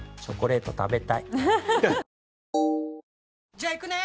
じゃあ行くね！